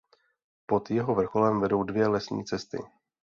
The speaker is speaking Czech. Pod jeho vrcholem vedou dvě lesní cesty.